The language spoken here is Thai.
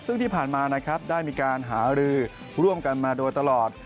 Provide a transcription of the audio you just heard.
ซึ่งที่ผ่านมานะครับได้มีการหารือร่วมกันมาโดยตลอด